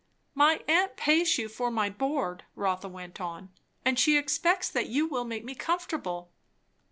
"My aunt pays you for my board," Rotha went on, "and she expects that you will make me comfortable."